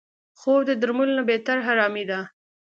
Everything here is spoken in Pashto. خوب د درملو نه بهتره آرامي ده